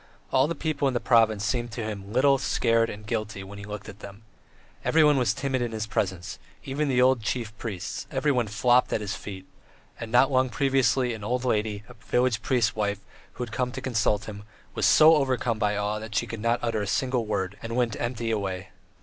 All the people in the province seemed to him little, scared, and guilty when he looked at them. Everyone was timid in his presence, even the old chief priests; everyone "flopped" at his feet, and not long previously an old lady, a village priest's wife who had come to consult him, was so overcome by awe that she could not utter a single word, and went empty away.